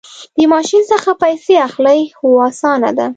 د ماشین څخه پیسې اخلئ؟ هو، اسانه ده